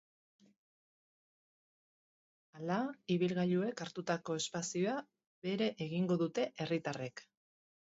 Hala, ibilgailuek hartutako espazioa bere egingo dute herritarrek.